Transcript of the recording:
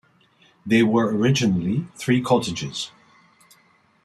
They were originally three cottages.